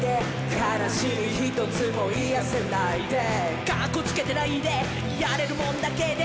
「悲しみひとつもいやせないで」「カッコつけてないでやれるもんだけで」